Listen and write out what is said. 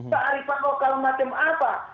kearifan lokal macam apa